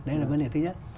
đấy là vấn đề thứ nhất